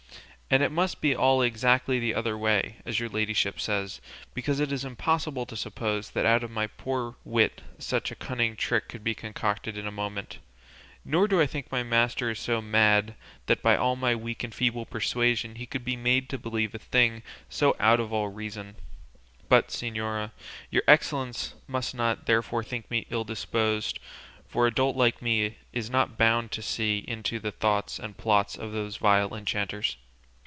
It must be all exactly the other way, as your ladyship says; because it is impossible to suppose that out of my poor wit such a cunning trick could be concocted in a moment, nor do I think my master is so mad that by my weak and feeble persuasion he could be made to believe a thing so out of all reason. But, señora, your excellence must not therefore think me ill disposed, for a dolt like me is not bound to see into the thoughts and plots of those vile enchanters.